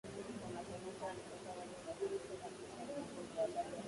samwel aliingia kwenye mashua ya kuokoa